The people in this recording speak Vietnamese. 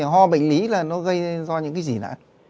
ho bệnh lý là nó gây ra do những cái gì nữa